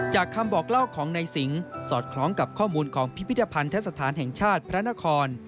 คำบอกเล่าของในสิงสอดคล้องกับข้อมูลของพิพิธภัณฑสถานแห่งชาติพระนคร